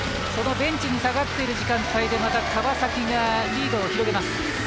ベンチに下がっている時間帯でまた川崎がリードを広げます。